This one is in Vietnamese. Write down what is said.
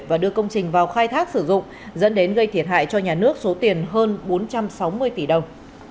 và đưa công trình vào khai thác sử dụng dẫn đến gây thiệt hại cho nhà nước số tiền hơn bốn trăm sáu mươi tỷ đồng